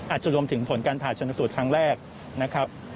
อาจจะรวมถึงผลการผ่าชนสูตรครั้งแรกนะครับ